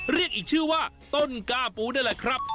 เรียกอีกชื่อว่าต้นกล้าปูนั่นแหละครับ